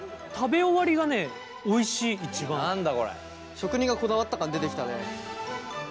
職人がこだわった感出てきたね。